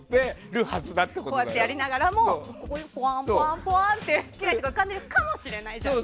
こうやってやりながらもここでポワンポワンって好きな人が浮かんでるかもしれない。